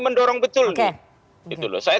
mendorong betul nih saya